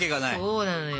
そうなのよ。